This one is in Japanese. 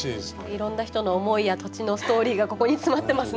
いろんな人の思いや土地のストーリーがここに詰まってますね。